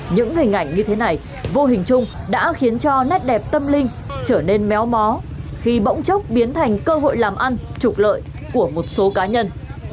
những hình ảnh như thế này vô hình chung đã khiến cho nét đẹp tâm linh trở nên méo mó khi bỗng chốc biến thành cơ hội làm ăn trục lợi của một số cá nhân